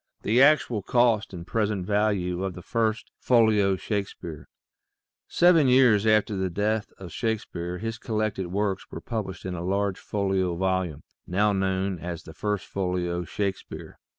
THE ACTUAL COST AND PRESENT VALUE OF THE FIRST FOLIO SHAKESPEARE EVEN years after the death of Shakespeare, his collected works were published in a large folio volume, now known as " The First Folio Shakespeare."